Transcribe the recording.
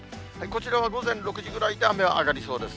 こちらは午前６時ぐらいで雨は上がりそうです。